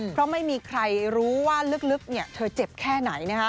เพราะไม่มีใครรู้ว่าลึกเธอเจ็บแค่ไหน